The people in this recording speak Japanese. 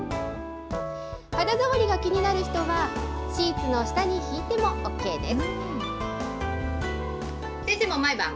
肌触りが気になる人は、シーツの下に敷いてもＯＫです。